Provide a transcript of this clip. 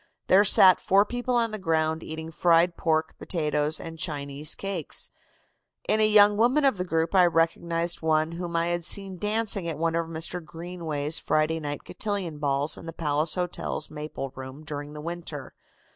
There sat four people on the ground eating fried pork, potatoes and Chinese cakes. In a young woman of the group I recognized one whom I had seen dancing at one of Mr. Greenway's Friday Night Cotillion balls in the Palace Hotel's maple room during the winter.